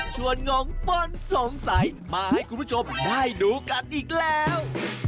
งงป้นสงสัยมาให้คุณผู้ชมได้ดูกันอีกแล้ว